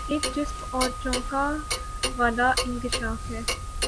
ایک چسپ اور چونکا د والا انکشاف ہے